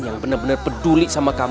yang benar benar peduli sama kami